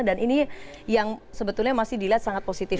dan ini yang sebetulnya masih dilihat sangat positif